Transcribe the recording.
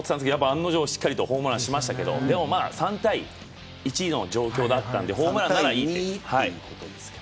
案の定しっかりとホームランしましたけどでも、３対１の状況だったんでホームランならいい。